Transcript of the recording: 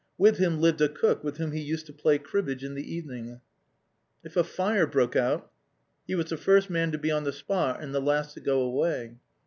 With him lived a cook with whom he used to play cribbage in the evening. If a fire broke out, he was the first man to be on the spot and the last to go away.